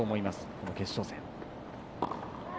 この決勝戦。